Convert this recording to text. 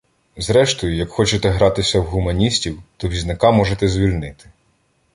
Зрештою, як хочете гратися в гуманістів, то візника можете звільнити.